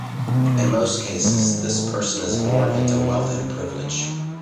In most cases, this person is born into wealth and privilege.